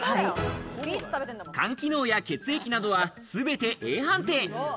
肝機能や血液などは全てＡ判定。